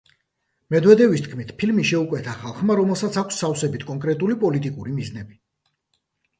მედვედევის თქმით, ფილმი შეუკვეთა „ხალხმა, რომელსაც აქვს სავსებით კონკრეტული პოლიტიკური მიზნები“.